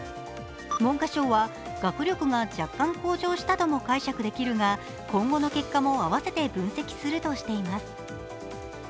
文科省は学力が若干向上したとも解釈できるが、今後の結果も合わせて分析するとしています。